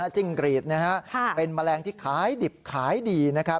จิ้งกรีดเป็นแมลงที่ขายดิบขายดีนะครับ